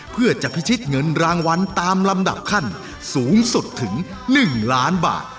เพื่อจะพิชิตเงินรางวัลตามลำดับขั้นสูงสุดถึง๑ล้านบาท